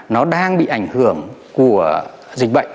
nó đang bị ảnh hưởng của dịch bệnh